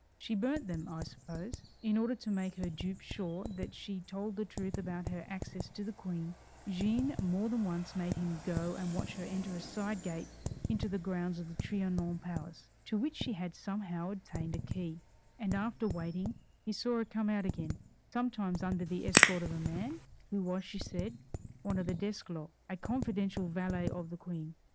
She burnt them, I suppose. In order to make her dupe sure that she told the truth about her access to the Queen, Jeanne more than once made him go and watch her enter a side gate into the grounds of the Trianon palace, to which she had somehow obtained a key; and after waiting he saw her come out again, sometimes under the escort of a man, who was, she said one Desclos, a confidential valet of the Queen.